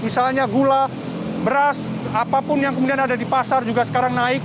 misalnya gula beras apapun yang kemudian ada di pasar juga sekarang naik